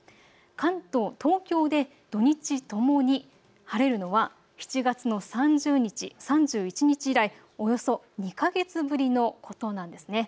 関東、東京で土日ともに晴れるのは７月の３０日、３１日以来、およそ２か月ぶりのことなんですね。